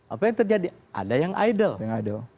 apa yang terjadi ada yang idle